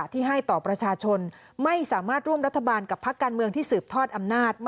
ที่ให้ต่อประชาชนไม่สามารถร่วมรัฐบาลกับพักการเมืองที่สืบทอดอำนาจ